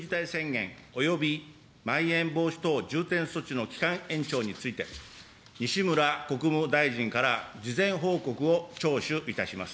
まん延防止等重点措置の期間延長について、西村国務大臣から事前報告を聴取いたします。